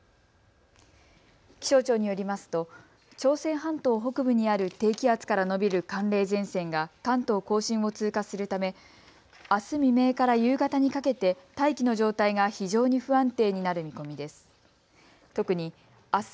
気象庁によりますと朝鮮半島北部にある低気圧から延びる寒冷前線が関東甲信を通過するためあす未明から夕方にかけて大気の状態が非常に不安定になる見込みです。